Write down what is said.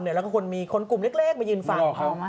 แล้วก็มีคนกลุ่มเล็กมายินฝั่ง